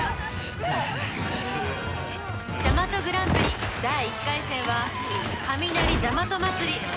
ジャマトグランプリ第１回戦はかみなりジャマト祭り。